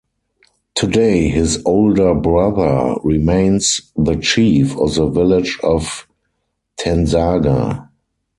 Today his older brother remains the chief of the village of Tansarga.